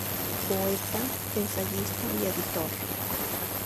Poeta, ensayista y editor.